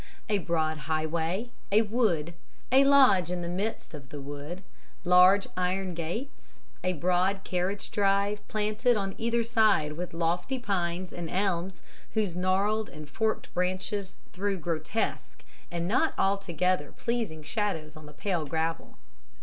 A broad highway; a wood; a lodge in the midst of the wood; large iron gates; a broad carriage drive, planted on either side with lofty pines and elms, whose gnarled and forked branches threw grotesque and not altogether pleasing shadows on the pale gravel.